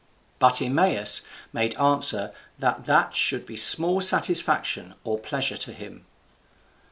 But Eumaeus made answer that that should be small satisfaction or pleasure to him.